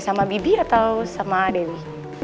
sama bibi atau sama dewi